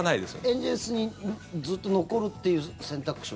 エンゼルスにずっと残るっていう選択肢は？